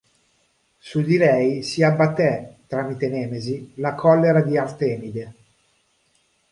Su di lei si abbatté, tramite Nemesi, la collera di Artemide.